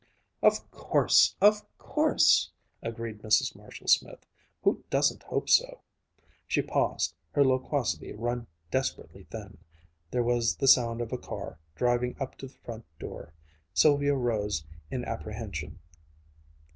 "Of course! Of course!" agreed Mrs. Marshall Smith. "Who doesn't hope so?" She paused, her loquacity run desperately thin. There was the sound of a car, driving up to the front door. Sylvia rose in apprehension.